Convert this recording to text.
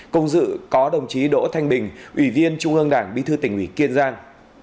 công dự có đồng chí đỗ thanh bình ủy viên trung ương đảng bí thư tỉnh nguyễn kiên giang